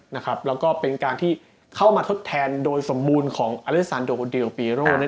แล้วก็เป็นการทดแทนโดยสมบูรณ์ของอเลซานโดเดียวเบโร